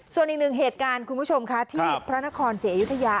ส่วนอีกหนึ่งเหตุการณ์คุณผู้ชมค่ะที่พระนครศรีอยุธยา